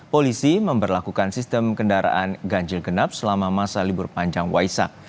polisi memperlakukan sistem kendaraan ganjil genap selama masa libur panjang waisak